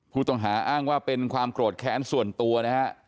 ผู้ต้องหาอ้างว่าเป็นความโกรธแค้นส่วนตัวนะฮะ